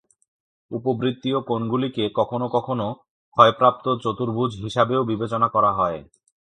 উপবৃত্তীয় কোণগুলিকে কখনও কখনও ক্ষয়প্রাপ্ত চতুর্ভুজ হিসাবেও বিবেচনা করা হয়।